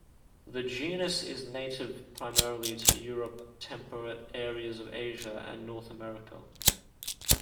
The genus is native primarily to Europe, temperate areas of Asia, and North America.